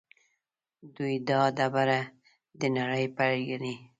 دوی دا ډبره د نړۍ پیل ګڼي.